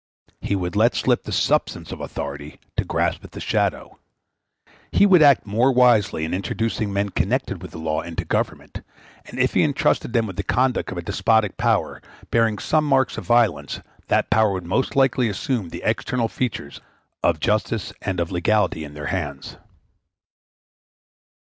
He would let slip the substance of authority to grasp at the shadow. He would act more wisely in introducing men connected with the law into the government; and if he entrusted them with the conduct of a despotic power, bearing some marks of violence, that power would most likely assume the external features of justice and of legality in their hands.